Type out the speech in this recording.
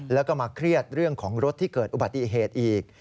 แล้วก็มาเครียดเรื่องของรถที่เกิดอุบัติเหตุอีก